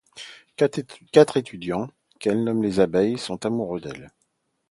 Quatre étudiants, qu'elle nomme les abeilles, sont amoureux d'elle.